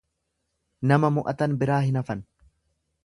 Nama mo'atan biraa hin hafan.